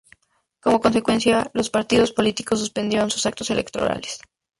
Como consecuencia, los partidos políticos suspendieron sus actos electorales.